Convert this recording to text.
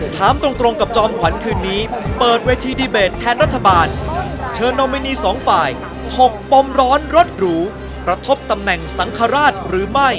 ถามตรงกับจอมขวัญคืนนี้เปิดเวทีดีเบตแทนรัฐบาลเชิญนอมินีสองฝ่ายถกปมร้อนรถหรูกระทบตำแหน่งสังฆราชหรือไม่